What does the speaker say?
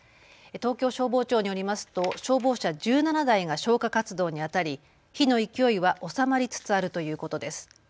東京消防庁によりますと消防車１７台が消火活動にあたり火の勢いは収まりつつあるということです。